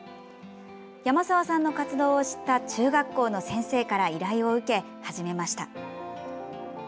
山澤さんの活動を知った中学校の先生から依頼を受け、始めました。